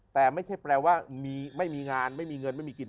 แต่ไม่ใช่แปลว่าไม่มีงานไม่มีเงินไม่มีกิน